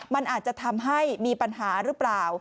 มันอาจจะทำให้มีปัญหาหรือเปล่า